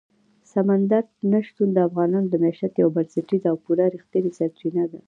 سمندر نه شتون د افغانانو د معیشت یوه بنسټیزه او پوره رښتینې سرچینه ده.